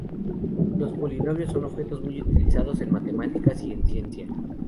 Los polinomios son objetos muy utilizados en matemáticas y en ciencia.